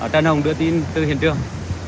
trân hồng đưa tin từ hiện trường